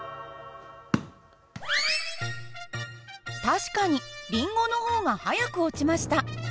確かにリンゴの方が速く落ちました。